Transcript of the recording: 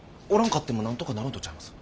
んかってもなんとかなるんとちゃいます？